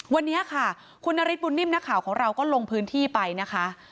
วันนี้ค่ะคุณนฤทธบุญนิ่มนักข่าวของเราก็ลงพื้นที่ไปนะคะ